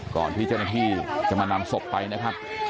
ก่อนที่เจ้าหน้าที่จะมานำศพไปนะครับ